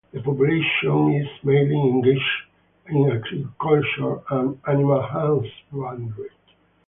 The population is mainly engaged in agriculture and animal husbandry.